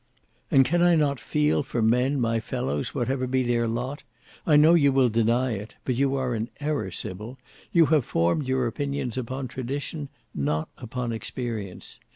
"And can I not feel for men, my fellows, whatever be their lot? I know you will deny it; but you are in error, Sybil; you have formed your opinions upon tradition, not upon experience.